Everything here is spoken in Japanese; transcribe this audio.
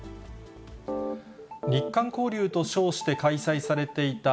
日韓交流と称して開催されていた、